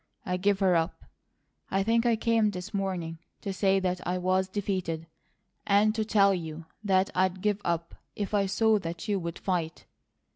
I give her up. I think I came this morning to say that I was defeated; and to tell you that I'd give up if I saw that you would fight.